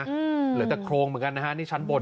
เหลือแต่โครงเหมือนกันนะฮะนี่ชั้นบน